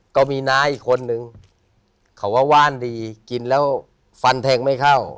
ก็มีน้าอีกคนนึงเขาว่าว่านดีกินแล้วฟันแทงไม่เข้า